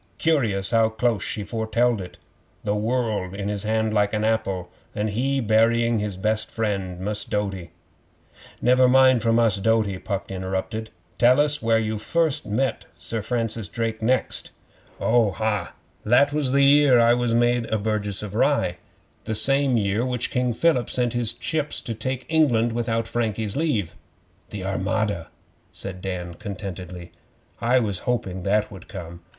Curious how close she foretelled it! The world in his hand like an apple, an' he burying his best friend, Mus' Doughty ' 'Never mind for Mus' Doughty,' Puck interrupted. 'Tell us where you met Sir Francis next.' 'Oh, ha! That was the year I was made a burgess of Rye the same year which King Philip sent his ships to take England without Frankie's leave.' 'The Armada!' said Dan contentedly. 'I was hoping that would come.